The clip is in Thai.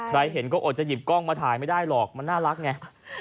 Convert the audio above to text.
ใครเห็นก็อดจะหยิบกล้องมาถ่ายไม่ได้หรอกมันน่ารักไง